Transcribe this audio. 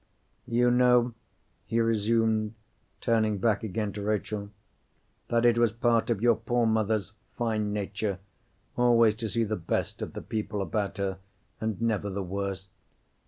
"You know," he resumed, turning back again to Rachel, "that it was part of your poor mother's fine nature always to see the best of the people about her, and never the worst.